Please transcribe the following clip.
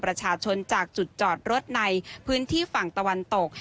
ประชาชนจากจุดจอดรถในพื้นที่ฝั่งตะวันตก